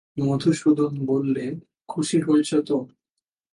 মধুসূদন বললে, খুশি হয়েছ তো?